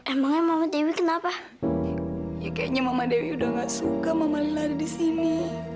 emangnya mama dewi kenapa ya kayaknya mama dewi udah gak suka mamali lari di sini